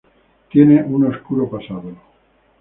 Tiene un oscuro pasado.